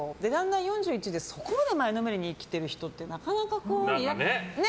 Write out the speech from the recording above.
４１でそこまで前のめりに生きている人ってなかなかね。